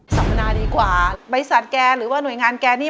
สัมมนาดีกว่าบริษัทแกหรือว่าหน่วยงานแกนี่